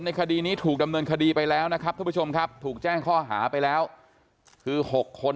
คดีนี้ถูกดำเนินคดีไปแล้วนะครับท่านผู้ชมครับถูกแจ้งข้อหาไปแล้วคือ๖คน